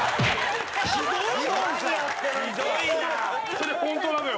それ本当なのよ。